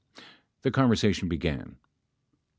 The conversation began: P.